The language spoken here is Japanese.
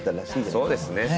そうですね。